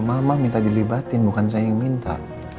mama minta dilibatin bukan saya yang minta